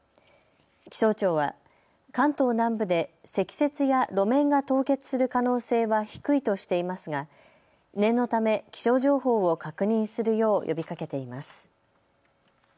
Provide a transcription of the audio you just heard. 気象庁は関東南部で積雪や路面が凍結する可能性は低いとしていますが念のため気象情報を確認するよう呼びかけています。